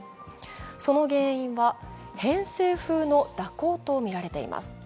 その原因は、偏西風の蛇行とみられています。